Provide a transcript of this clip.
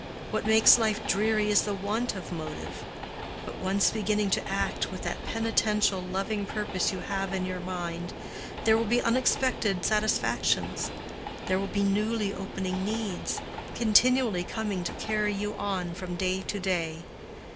What makes life dreary is the want of motive: but once beginning to act with that penitential, loving purpose you have in your mind, there will be unexpected satisfactions—there will be newly opening needs—continually coming to carry you on from day to day.